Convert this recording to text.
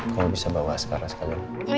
kalau bisa bawa maskara sekali sekali